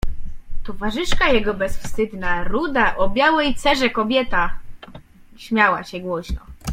"Towarzyszka jego bezwstydna, ruda o białej cerze kobieta śmiała się głośno."